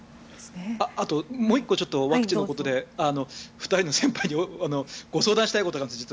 あと、もう１個ワクチンのことで２人の先輩にご相談したいことがあるんです。